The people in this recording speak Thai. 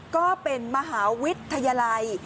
ก็เป็นมหาวิทยาลัย